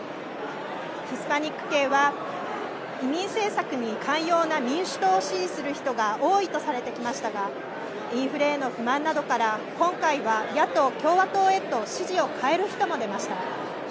ヒスパニック系は移民政策に寛容な民主党を支持する人が多いとされてきましたがインフレへの不満などから今回は野党・共和党へと支持を変える人も出ました。